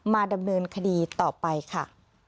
มาดำเนินคดีต่อไปค่ะ